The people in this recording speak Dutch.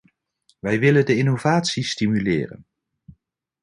Wij willen de innovatie stimuleren.